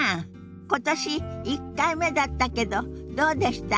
今年１回目だったけどどうでした？